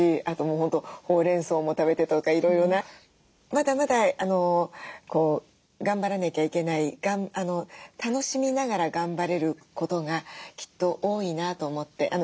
あとホウレンソウも食べてとかいろいろなまだまだ頑張らなきゃいけない楽しみながら頑張れることがきっと多いなと思って。